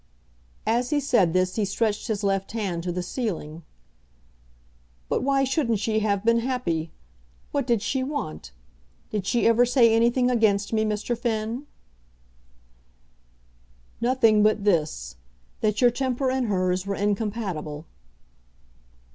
As he said this he stretched his left hand to the ceiling. "But why shouldn't she have been happy? What did she want? Did she ever say anything against me, Mr. Finn?" "Nothing but this, that your temper and hers were incompatible."